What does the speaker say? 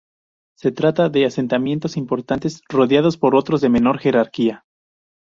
Se trata de asentamientos importantes rodeados por otros de menor jerarquía.